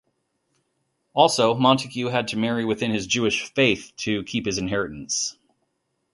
Also, Montagu had to marry within his Jewish faith to keep his inheritance.